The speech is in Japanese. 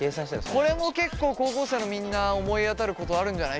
これも結構高校生のみんな思い当たることあるんじゃない。